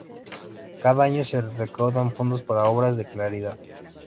Cada año se recaudan fondos para obras de caridad.